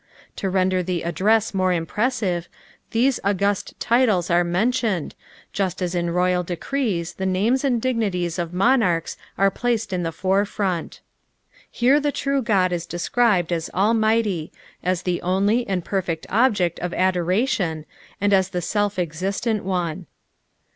To render the address the more impressive, these August titles are mentioned, just as in rojal decrees the nameB and dignities of mooarchs are placed in the forefront. Here the true God is described as Almichty, as the only and perfect object of adoration and as the self ex.istent One.